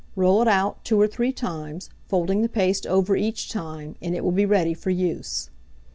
Roll it out two or three times, folding the paste over each time, and it will be ready for use.